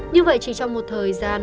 như vậy chỉ trong một thời gian